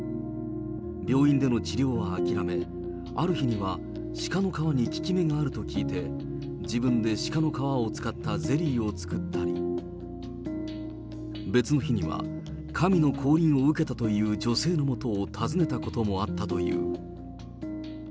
病院での治療は諦め、ある日には鹿の皮に効き目があると聞いて、自分で鹿の皮を使ったゼリーを作ったり、別の日には神の降臨を受けたという女性のもとを訪ねたこともあったという。